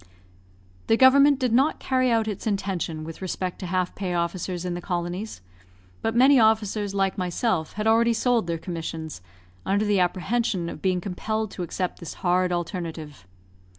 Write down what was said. The government did not carry out its intention with respect to half pay officers in the colonies; but many officers, like myself, had already sold their commissions, under the apprehension of being compelled to accept this hard alternative.